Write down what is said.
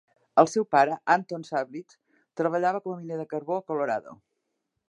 El seu pare, Anton Sablich, treballava com a miner de carbó a Colorado.